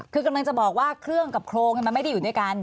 คือกำลังจะบอกว่าเครื่องกับโครงมันไม่ได้อยู่ด้วยกัน